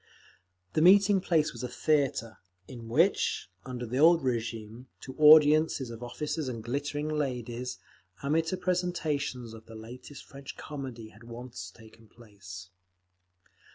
The meeting place was a theatre, in which, under the old régime, to audiences of officers and glittering ladies, amateur presentations of the latest French comedy had once taken place.